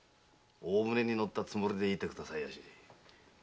大船に乗ったつもりでいてくださいまし。